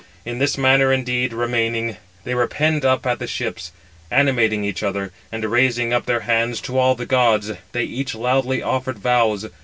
In this manner indeed, remaining, they were penned up at the ships; animating each other, and raising up their hands to all the gods, they each loudly offered vows.